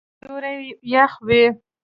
سیوری یخ وی